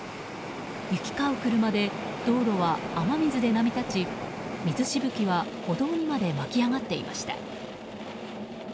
行き交う車で道路は雨水で波立ち水しぶきは歩道にまで巻き上がっていました。